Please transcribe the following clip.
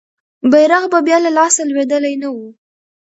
بیرغ به بیا له لاسه لوېدلی نه وو.